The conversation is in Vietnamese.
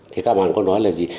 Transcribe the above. thì các bạn có nói là gì